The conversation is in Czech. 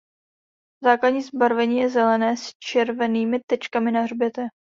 Základní zbarvení je zelené s červenými tečkami na hřbetě.